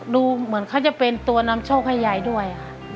ดูเหมือนเขาจะเป็นตัวนำโชคให้ยายด้วยค่ะ